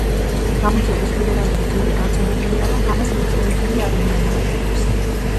გამოძიების ფედერალური ბიურო დარწმუნებულია, რომ ამას ერთი და იგივე ადამიანი აკეთებს.